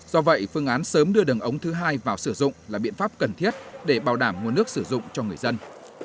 do vậy phương án sớm đưa đường ống thứ hai vào sử dụng là biện pháp cần thiết để bảo đảm nguồn nước sử dụng cho người dân